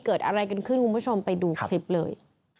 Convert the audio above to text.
เกิดอะไรกันขึ้นคุณผู้ชมไปดูคลิปเลย